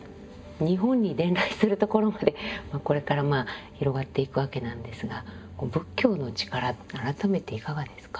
日本に伝来するところまでこれから広がっていくわけなんですが仏教の力改めていかがですか？